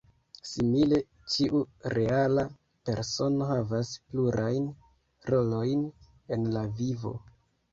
Simile, ĉiu reala persono havas plurajn rolojn en la vivo.